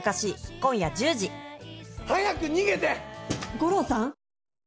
悟朗さん？